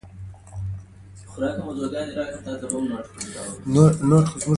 نورستان د افغانانو لپاره په معنوي لحاظ ارزښت لري.